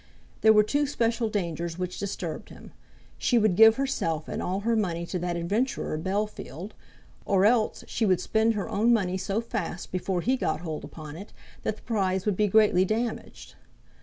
There were two special dangers which disturbed him. She would give herself and all her money to that adventurer, Bellfield; or else she would spend her own money so fast before he got hold upon it, that the prize would be greatly damaged.